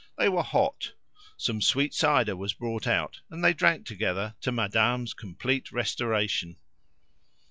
They were hot; some sweet cider was brought out, and they drank together to madame's complete restoration.